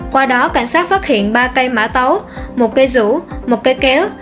qua đó cảnh sát phát hiện ba cây mã tấu một cây rũ một cây kéo